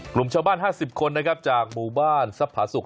กลุ่มชาวบ้านห้าสิบคนนะครับจากหมู่บ้านซับผาสุข